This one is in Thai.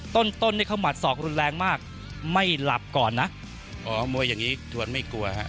ต้นต้นนี่เขาหัดศอกรุนแรงมากไม่หลับก่อนนะอ๋อมวยอย่างนี้ชวนไม่กลัวฮะ